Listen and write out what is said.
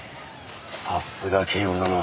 さすが警部殿。